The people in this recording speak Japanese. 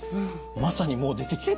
まさにもう出てきました。